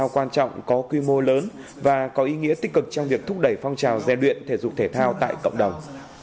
quan trọng có quy mô lớn và có ý nghĩa tích cực trong việc thúc đẩy phong trào giai luyện thể dục thể thao tại cộng đồng